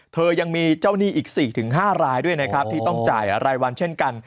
เธอยังมีเจ้าหนี้อีก๔๕รายด้วยนะครับที่ต้องจ่ายรายวันเช่นกัน